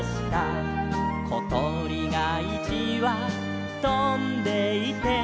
「ことりがいちわとんでいて」